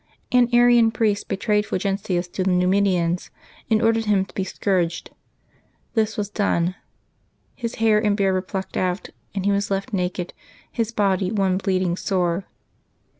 An Arian priest betrayed Fulgentius to the IN'umidians, and ordered him to be scourged. This was done. His hair and beard were plucked out, and he was left naked, his body one bleeding sore.